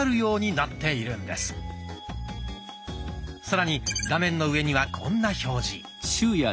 さらに画面の上にはこんな表示。